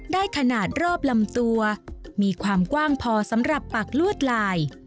ได้ขนาดรอบลำตัวมีความกว้างพอสำหรับปักลวดลาย